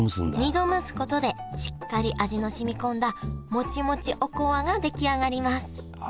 ２度蒸すことでしっかり味の染み込んだモチモチおこわが出来上がりますあ